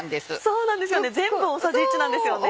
そうなんですよね全部大さじ１なんですよね。